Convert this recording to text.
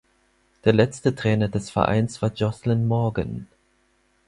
Der letzte Trainer des Vereins war Jocelyn Morgan.